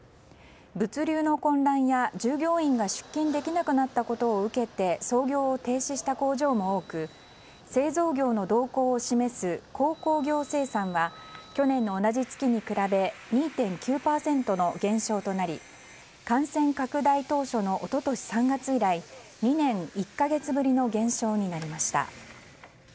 物流の混乱や、従業員が出勤できなくなったことを受けて操業を停止した工場も多く製造業の動向を示す鉱工業生産は去年の同じ月に比べ２．９％の減少となり感染拡大当初の一昨年３月以来２年１か月ぶりの減少になりました。